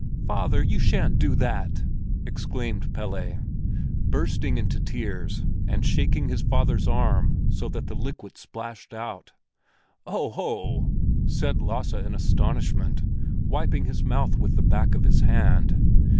"Father, you shan't do that!" exclaimed Pelle, bursting into tears and shaking his father's arm so that the liquid splashed out. "Ho ho!" said Lasse in astonishment, wiping his mouth with the back of his hand.